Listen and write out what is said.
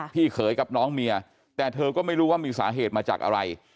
พี่เขยกับน้องเมียแต่เธอก็ไม่รู้ว่ามีสาเหตุมาจากอะไร